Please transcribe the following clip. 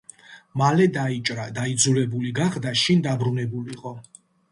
მალე დაიჭრა და იძულებული გახდა შინ დაბრუნებულიყო.